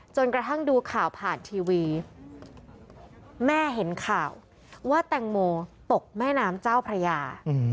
กระทั่งดูข่าวผ่านทีวีแม่เห็นข่าวว่าแตงโมตกแม่น้ำเจ้าพระยา